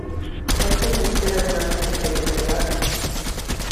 That seemed as good a direction to take as any other.